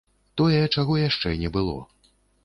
Тое, чаго яшчэ не было.